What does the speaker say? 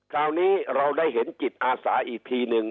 คราวนี้เราได้เห็นจิตอาสาอีกทีหนึ่ง